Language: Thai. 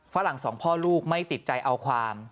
ฝรั่งสองพ่อลูกไม่ติดใจเอาความ